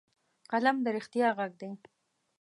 قلم د رښتیا غږ دی